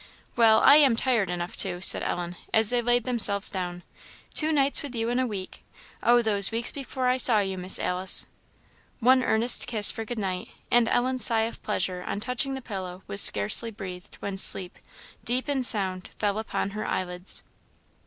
"Well, I am tired enough, too," said Ellen, as they laid themselves down. "Two nights with you in a week! Oh, those weeks before I saw you, Miss Alice!" One earnest kiss for good night; and Ellen's sign of pleasure on touching the pillow was scarcely breathed when sleep, deep and sound, fell upon her eyelids.